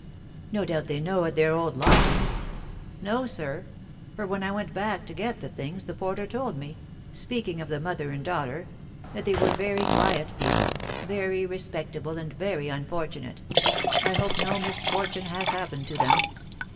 "No doubt they know at their old lodging?" "No, sir; for, when I went back to get the things, the porter told me, speaking of the mother and daughter, 'that they were very quiet people, very respectable, and very unfortunate, I hope no misfortune has happened to them!